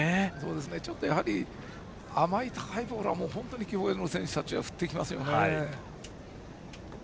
ちょっと甘い高いボールは共栄の選手たちは振っていきますよね。